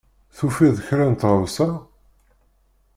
Tufiḍ kra n tɣawsa?